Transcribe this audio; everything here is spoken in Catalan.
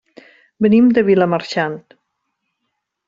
Venim de Vilamarxant.